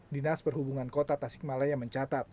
dinas perhubungan kota tasikmalaya mencatat